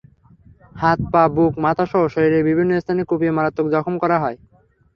হাত, পা, বুক, মাথাসহ শরীরের বিভিন্ন স্থানে কুপিয়ে মারাত্মক জখম করা হয়।